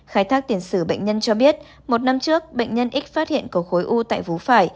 khai thác tiền sử bệnh nhân cho biết một năm trước bệnh nhân ít phát hiện có khối u tại vú phải